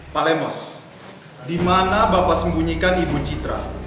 pak lemos dimana bapak sembunyikan ibu citra